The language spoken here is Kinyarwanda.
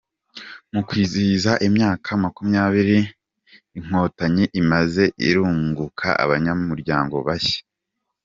Mu kwizihiza imyaka makumyabiri Inkotanyi imaze, irunguka abanyamuryango bashya